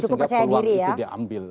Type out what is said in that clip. sehingga peluang itu diambil